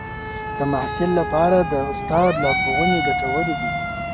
د محصل لپاره د استاد لارښوونې ګټورې دي.